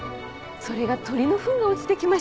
それが鳥のフンが落ちて来まして。